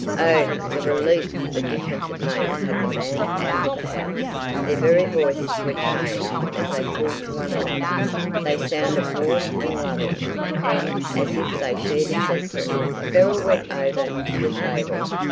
Oh, the relief, the difference it made to have the man out of the house. Their very voices were changed as they called to one another; they sounded warm and loving and as if they shared a secret. Beryl went over to the table.